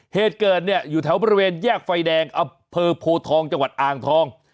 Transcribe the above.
เหตุเกิดอยู่แถวบริเวณแยกไฟแดงอัภพย์โพธองจังหวัดอ่างทอง